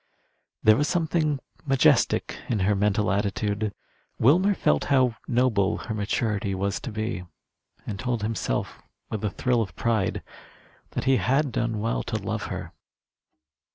There was something majestic in her mental attitude. Wilmer felt how noble her maturity was to be, and told himself, with a thrill of pride, that he had done well to love her.